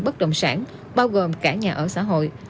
bất động sản bao gồm cả nhà ở xã hội